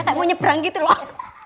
gak mau nyebrang gitu loh